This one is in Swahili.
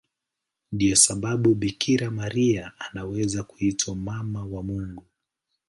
Ndiyo sababu Bikira Maria anaweza kuitwa Mama wa Mungu.